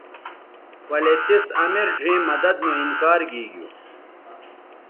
ولے تِس امیر ڙھیئں مدد نو انکار گیگیو